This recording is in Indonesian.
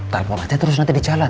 telepon aja terus nanti di jalan